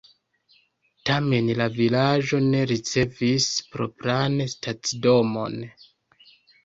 Tamen la vilaĝo ne ricevis propran stacidomon.